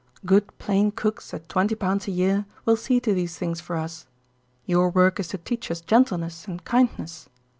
Good plain cooks at twenty pounds a year will see to these things for us. Your work is to teach us gentleness and kindness.